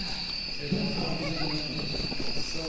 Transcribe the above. どんなお店になったんですか？